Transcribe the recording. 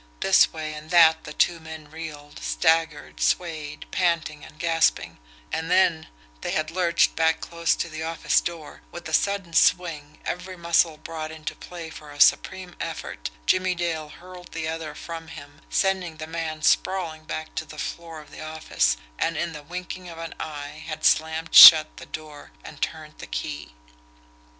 This way and that the two men reeled, staggered, swayed, panting and gasping; and then they had lurched back close to the office door with a sudden swing, every muscle brought into play for a supreme effort, Jimmie Dale hurled the other from him, sending the man sprawling back to the floor of the office, and in the winking of an eye had slammed shut the door and turned the key.